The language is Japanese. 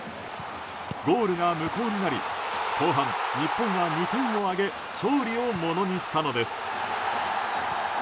ゴールが無効になり後半、日本は２点を挙げ勝利をものにしたのです。